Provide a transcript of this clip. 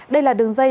đây là đường dây